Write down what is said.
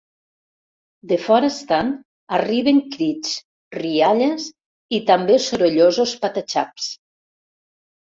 De fora estant arriben crits, rialles i també sorollosos pataxaps.